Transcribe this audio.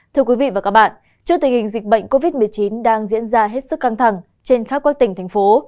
trước tình hình dịch bệnh covid một mươi chín đang diễn ra hết sức căng thẳng trên khắp các tỉnh thành phố